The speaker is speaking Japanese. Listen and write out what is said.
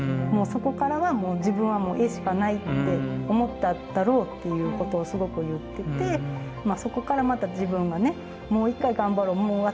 もうそこからは自分はもう絵しかないって思っただろうっていうことをすごく言っててそこからまた自分がねもう一回頑張ろう